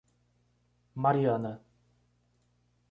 Mariana